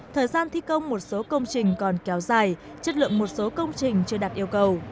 thời gian thi công một số công trình còn kéo dài chất lượng một số công trình chưa đạt yêu cầu